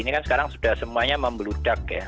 ini kan sekarang sudah semuanya membeludak ya